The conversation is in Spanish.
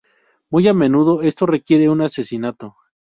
Muy a menudo esto requiere un asesinato.